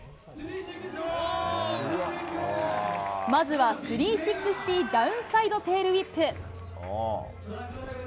まずは３６０ダウンサイドテールウィップ。